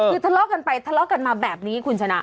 คือทะเลาะกันไปทะเลาะกันมาแบบนี้คุณชนะ